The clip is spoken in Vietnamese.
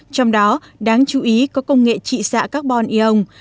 trong đó đáng chú ý có công nghệ trị xạ carbon ion